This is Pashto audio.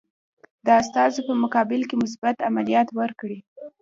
د استازو په مقابل کې مثبت عملیات وکړي.